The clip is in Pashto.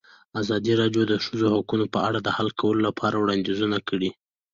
ازادي راډیو د د ښځو حقونه په اړه د حل کولو لپاره وړاندیزونه کړي.